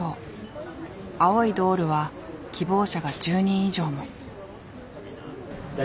青いドールは希望者が１０人以上も。